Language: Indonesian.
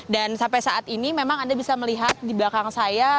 dan sampai saat ini memang anda bisa melihat di belakang saya